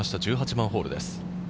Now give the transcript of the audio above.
１８番ホールです。